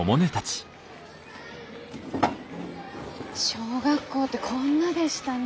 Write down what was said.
小学校ってこんなでしたね。